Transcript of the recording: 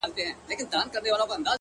اوس يې څنگه ښه له ياده وباسم;